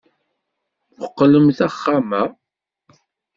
Mmuqqlemt axxam-a.